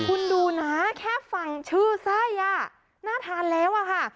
คุณดูนะแค่ฟังชื่อไส้น่าทานแล้วอะค่ะ